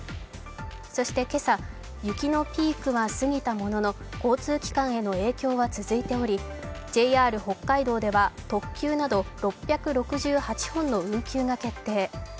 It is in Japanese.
そして、今朝、雪のピークは過ぎたものの交通機関への影響は続いておりＪＲ北海道では特急など６６８本の運休が決定。